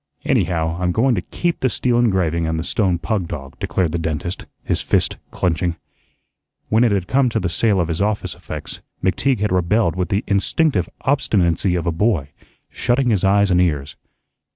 "Anyhow, I'm going to keep the steel engraving an' the stone pug dog," declared the dentist, his fist clenching. When it had come to the sale of his office effects McTeague had rebelled with the instinctive obstinacy of a boy, shutting his eyes and ears.